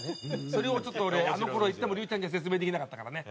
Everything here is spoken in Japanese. それをちょっと俺あの頃言っても竜ちゃんには説明できなかったからね。